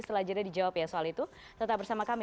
setelah jeda dijawab ya soal itu tetap bersama kami